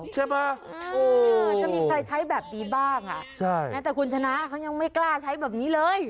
ใช่ไหมจะมีใครใช้แบบนี้บ้างแม้แต่คุณชนะเขายังไม่กล้าใช้แบบนี้เลย